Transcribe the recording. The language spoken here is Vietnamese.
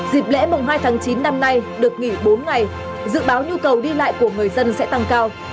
dịp lễ mùng hai tháng chín năm nay được nghỉ bốn ngày dự báo nhu cầu đi lại của người dân sẽ tăng cao